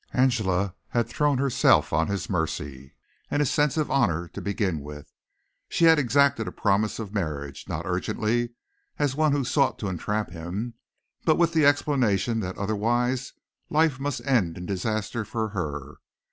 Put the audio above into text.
Angela had thrown herself on his mercy and his sense of honor to begin with. She had exacted a promise of marriage not urgently, and as one who sought to entrap him, but with the explanation that otherwise life must end in disaster for her.